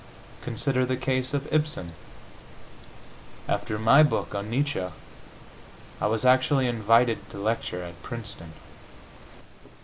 Consider the case of Ibsen.... After my book on Nietzsche I was actually invited to lecture at Princeton.